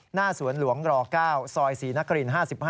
หน้าสวนหลวงร๙ซอยศรีนคริน๕๕